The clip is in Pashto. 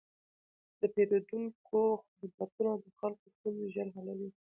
د پېرودونکو خدمتونه د خلکو ستونزې ژر حلوي.